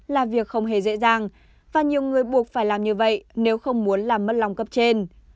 là việc không hề dễ dàng và nhiều người buộc phải làm như vậy nếu không muốn làm mất lòng cấp trên